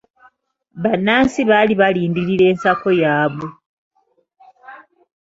Bannansi baali balindirira ensako yaabwe.